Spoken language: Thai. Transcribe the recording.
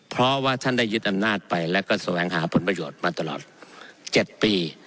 เพราะว่าท่านได้ยึดอำนาจไปแล้วก็แสวงหาผลประโยชน์มาตลอด๗ปี